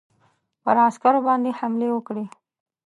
پر عسکرو باندي حملې وکړې.